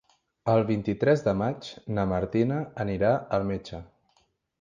El vint-i-tres de maig na Martina anirà al metge.